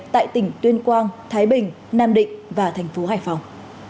tại tỉnh tuyên quang thái bình nam định và thành phố hải phòng